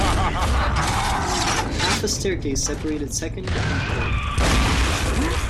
Half a staircase separated second and third.